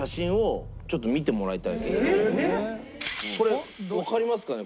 これわかりますかね？